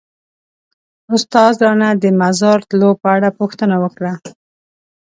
استاد رانه د مزار تلو په اړه پوښتنه وکړه.